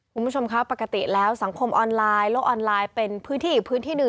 คุณผู้ชมครับปกติแล้วสังคมออนไลน์โลกออนไลน์เป็นพื้นที่อีกพื้นที่หนึ่ง